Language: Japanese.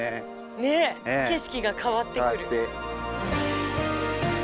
ねえ景色が変わってくる。